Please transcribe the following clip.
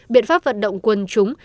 biện pháp vận động quân chúng